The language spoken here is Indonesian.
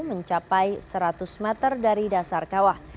mencapai seratus meter dari dasar kawah